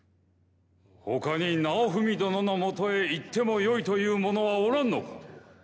他に尚文殿のもとへ行ってもよいという者はおらんのか？